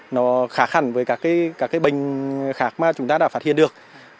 nó khả khẳng với các bệnh khác mà chúng ta đã phát hiện được